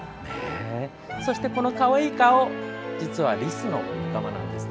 そして、このかわいい顔実は、リスの仲間なんです。